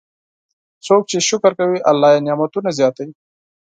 څوک چې شکر کوي، الله یې نعمتونه زیاتوي.